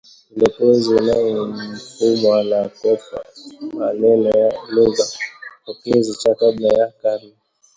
Mulokozi na mfumo unaokopa maneno au lugha pokezi cha kabla ya karne